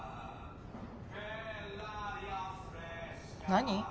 何？